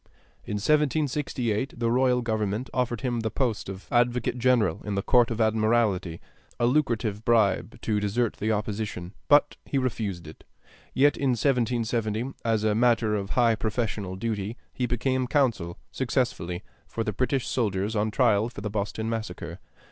In 1768 the royal government offered him the post of advocate general in the Court of Admiralty, a lucrative bribe to desert the opposition; but he refused it. Yet in 1770, as a matter of high professional duty, he became counsel (successfully) for the British soldiers on trial for the "Boston Massacre."